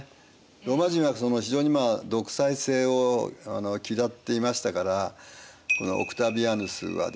ローマ人は非常に独裁政を嫌っていましたからこのオクタヴィアヌスはですね